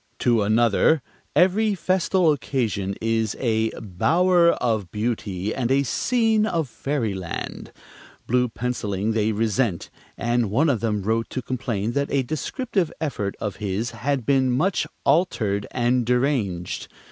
To another, every festal occasion is "a bower of beauty and a scene of fairyland." Blue penciling they resent, and one of them wrote to complain that a descriptive effort of his had been "much altered and deranged."